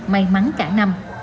may mắn cả năm